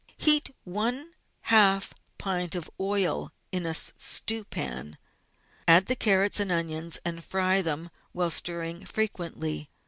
— Heat one half pint of oil in a stewpan, add the carrots and onions, and fry them while stirring frequently.